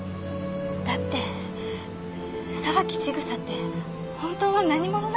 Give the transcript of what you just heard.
だって沢木千草って本当は何者なのか分からないし。